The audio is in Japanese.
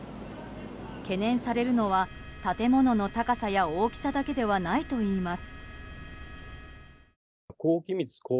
懸念されるのは建物の高さや大きさだけではないといいます。